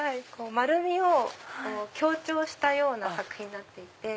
丸みを強調したような作品になっていて。